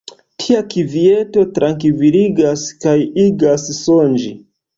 Tia kvieto trankviligas kaj igas sonĝi.